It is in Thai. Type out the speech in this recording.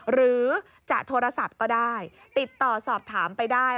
หรือจะโทรศัพท์ก็ได้ติดต่อสอบถามไปได้